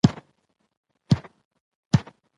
علي له موټي ګرمولو پرته هېڅ کار نه کوي.